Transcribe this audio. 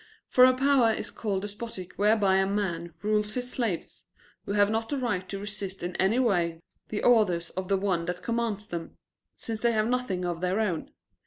For a power is called despotic whereby a man rules his slaves, who have not the right to resist in any way the orders of the one that commands them, since they have nothing of their own.